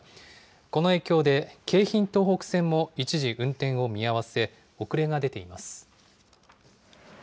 この影響で、京浜東北線も一時運転を見合わせ、遅れが出ています。